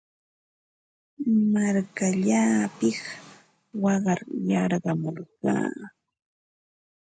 Markallaapiq waqar yarqamurqaa.